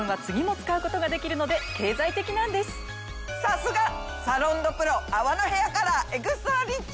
さすがサロンドプロ泡のヘアカラー・エクストラリッチ！